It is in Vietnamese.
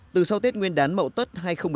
từ sau tết nguyên đán mậu tất hai nghìn một mươi tám